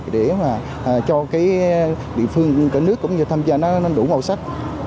để mà cho cái địa phương cả nước cũng như tham gia nó đủ màu sắc